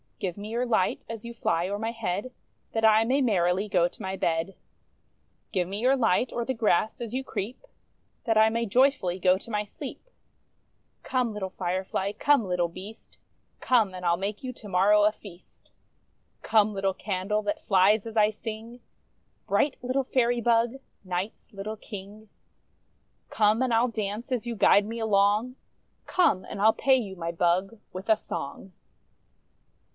Give me your light, as you fly o'er my head, That I may merrily go to my bed. Give me your light, o'er the grass as you creep, That I may joyfully go to my sleep. Come, little Firefly, come, little beast — Come! and I'll make you to morrow a feast. Come, little candle, that flies as I sing, Bright little Fairy bug, Night's little King; Come, and I 'II dance as you guide me along, Come, and I'll pay you, my bug, with a song!